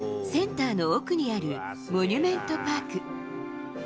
こちらはセンターの奥にあるモニュメントパーク。